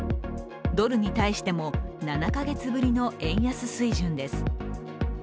ドルに対しても７か月ぶりの円安水準です。